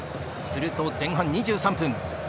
すると前半２３分。